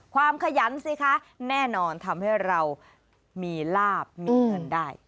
ขยันสิคะแน่นอนทำให้เรามีลาบมีเงินได้